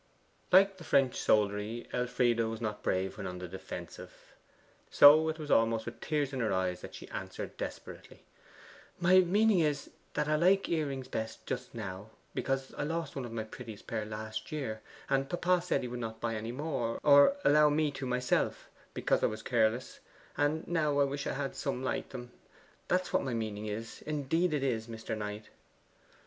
Like the French soldiery, Elfride was not brave when on the defensive. So it was almost with tears in her eyes that she answered desperately: 'My meaning is, that I like earrings best just now, because I lost one of my prettiest pair last year, and papa said he would not buy any more, or allow me to myself, because I was careless; and now I wish I had some like them that's what my meaning is indeed it is, Mr. Knight.